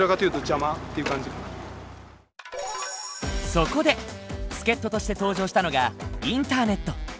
そこで助っ人として登場したのがインターネット。